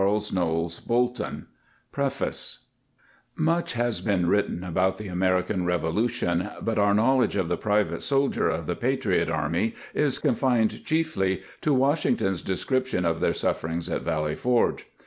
el StantDoo)] Bolton PREFACE MUCH has been written about the Ameri can Revolution, but our knowledge of the private soldiers of the patriot army is confined chiefly to Washington's description of their sufferings at Valley Forge.